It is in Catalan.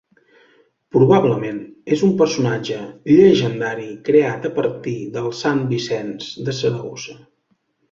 Probablement, és un personatge llegendari creat a partir del sant Vicenç de Saragossa.